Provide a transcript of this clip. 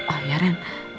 oh ya ren